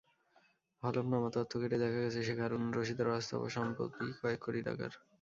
হলফনামার তথ্য ঘেঁটে দেখা গেছে, শেখ হারুনুর রশীদের অস্থাবর সম্পদই কয়েক কোটি টাকার।